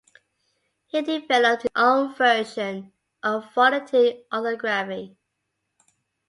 He developed his own version of phonetic orthography.